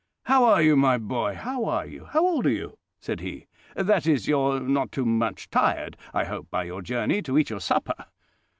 "How are you, my boy?—how are you? How old are you?" said he—"that is, you are not too much tired, I hope, by your journey to eat your supper?"